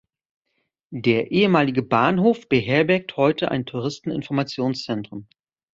Der ehemalige Bahnhof beherbergt heute ein Touristen-Informationszentrum.